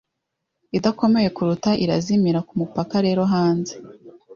idakomeye kuruta irazimira kumupaka rero hanze